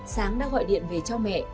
sáng đã gọi điện về cho mẹ